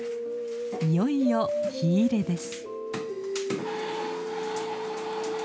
いよいよ火入れです。